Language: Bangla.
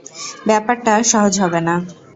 ব্যাপারটা সহজ হবে না।